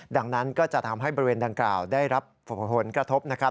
ดังนั้นก็จะทำให้บริเวณดังกล่าวได้รับผลกระทบนะครับ